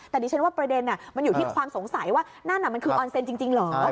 แต่ดิฉันว่าประเด็นมันอยู่ที่ความสงสัยว่านั่นมันคือออนเซ็นต์จริงเหรอ